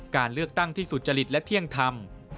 การเลือกตั้งที่สุจริตและเที่ยงธรรม